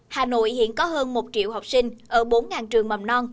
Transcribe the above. hà nội hiện có hơn một triệu học sinh ở bốn trường mầm non